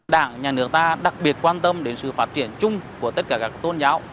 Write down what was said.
đảng nhà nước ta đặc biệt quan tâm đến sự phát triển chung của tất cả các tôn giáo